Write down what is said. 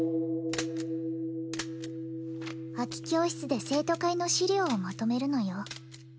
空き教室で生徒会の資料をまとめるのよ